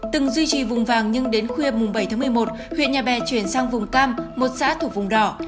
từng duy trì vùng vàng nhưng đến khuya bảy một mươi một huyện nhà bè chuyển sang vùng cam một xã thuộc vùng đỏ